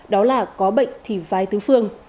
đó là có bệnh thì vai tứ phương